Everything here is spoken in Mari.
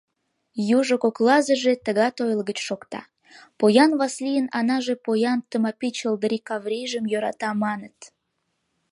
Южо коклазыже тыгат ойлыгыч шокта: «Поян Васлийын Анаже поян Тымапий чылдырий Каврийжым йӧрата, маныт».